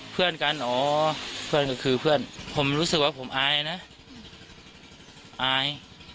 เพื่อนกันอ๋อเพื่อนก็คือเพื่อนผมรู้สึกว่าผมอายนะอาย